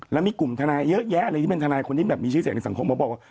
แล้วมีกลุ่มทนายเยอะแยะเลยที่เป็นทนายคนที่แบบมีชื่อเสียงในสังคมมาบอกว่า